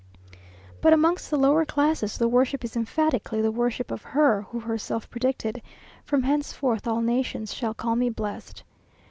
But amongst the lower classes, the worship is emphatically the worship of Her who Herself predicted, "From henceforth all nations shall call me blessed."